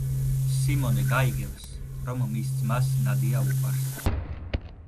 სიმონე გაიგებს, რომ მის ძმას ნადია უყვარს.